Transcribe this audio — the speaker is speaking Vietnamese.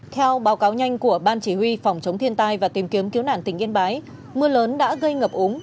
theo báo cáo nhanh của ban chỉ huy phòng chống thiên tai và tìm kiếm cứu nạn tỉnh yên bái mưa lớn đã gây ngập úng